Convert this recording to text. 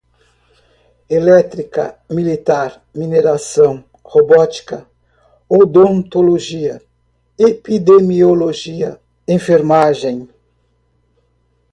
agrônoma, biomédica, elétrica, militar, mineração, robótica, odontologia, epidemiologia, enfermagem, farmácia, veterinária